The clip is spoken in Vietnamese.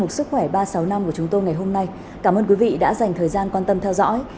mục sức khỏe ba sáu năm của chúng tôi ngày hôm nay cảm ơn quý vị đã dành thời gian quan tâm theo dõi